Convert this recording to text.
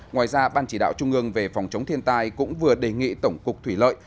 ngoài ra ban chỉ đạo trung ương về phòng chống thiên tai cũng vừa đề nghị tổng cục thủy lợi